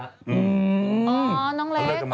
อ๋อน้องเล็ก